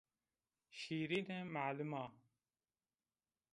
Şîrîne malim a.